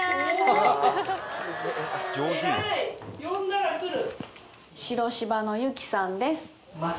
偉い呼んだら来る。